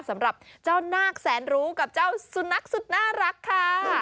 สำหรับเจ้านาคแสนรู้กับเจ้าสุนัขสุดน่ารักค่ะ